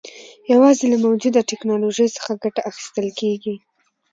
یوازې له موجوده ټکنالوژۍ څخه ګټه اخیستل کېږي.